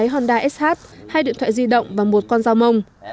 hai điện thoại di động và một con dao mông